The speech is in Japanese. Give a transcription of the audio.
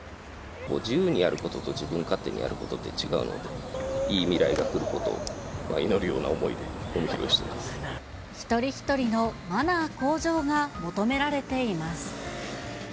自由にやることと自分勝手にやることって違うので、いい未来が来ることを祈るような思いで、一人一人のマナー向上が求められています。